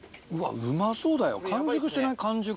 うまそうだよ。